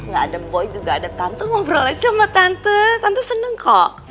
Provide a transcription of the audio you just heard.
gak ada boy juga ada tante ngobrol aja sama tante tante seneng kok